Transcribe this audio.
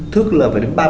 thức là phải đứng bài